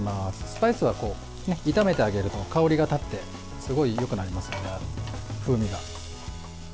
スパイスは炒めてあげると香りが立ってすごいよくなりますので、風味が。